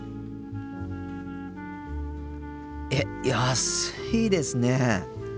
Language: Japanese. えっ安いですね。